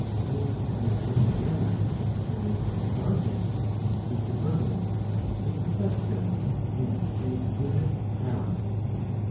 And in a similar manner, if there is a guardian, k convertive, a perfective, and a vivific power.